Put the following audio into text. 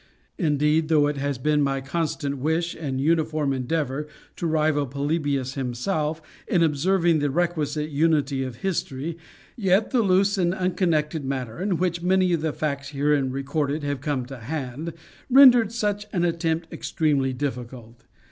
Indeed, though it has been my constant wish and uniform endeavor to rival Polybius himself, in observing the requisite unity of History, yet the loose and unconnected manner in which many of the facts herein recorded have come to hand rendered such an attempt extremely difficult.